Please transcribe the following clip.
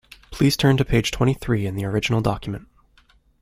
Please turn to page twenty-three in the original document